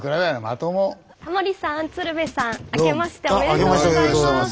タモリさん鶴瓶さんあけましておめでとうございます。